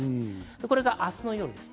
これが明日の夜です。